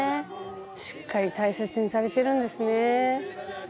しっかり大切にされてるんですね。